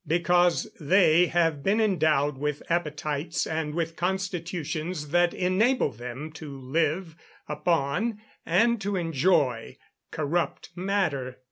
_ Because they have been endowed with appetites and with constitutions that enable them to live upon and to enjoy corrupt matter.